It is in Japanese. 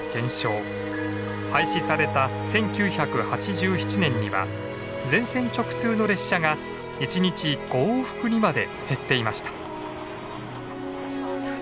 廃止された１９８７年には全線直通の列車が１日５往復にまで減っていました。